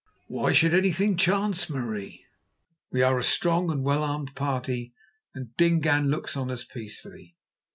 "Why should anything chance, Marie? We are a strong and well armed party, and Dingaan looks on us peacefully."